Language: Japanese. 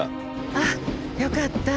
あっよかった。